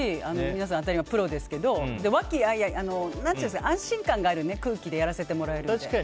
皆さん、プロですけど和気藹々、安心感がある空気でやらせてもらえるので。